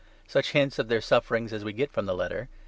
Such hints of their sufferings as we get from the Letter (2.